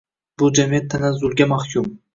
Bu jamiyat tanazzulga mahkum.